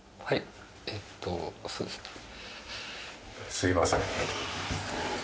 すいません。